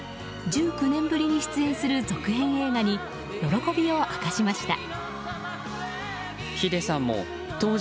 １９年ぶりに出演する続編映画に喜びを明かしました。